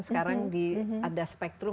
sekarang ada spectrum